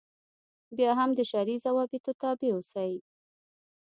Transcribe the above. بیا هم د شرعي ضوابطو تابع اوسي.